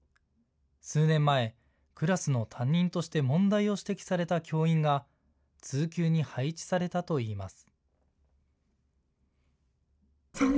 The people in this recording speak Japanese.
数年前、クラスの担任として問題を指摘された教員が通級に配置されたといいます。